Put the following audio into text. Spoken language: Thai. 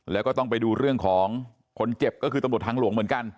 แล้วก็ต้องไปดูเรื่องของคนเจ็บก็คือตำรวจทางหลวงเหมือนกัน